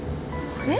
えっ？